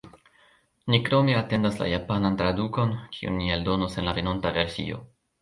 Ni krome atendas la japanan tradukon, kiun ni eldonos en la venonta versio.